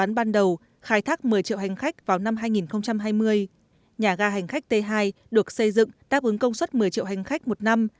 cảng hàng không quốc tế t hai được xây dựng đáp ứng công suất một mươi triệu hành khách một năm